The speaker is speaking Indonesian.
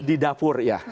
di dapur ya